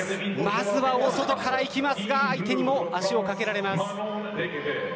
まずは大外からいきますが相手にも足をかけられます。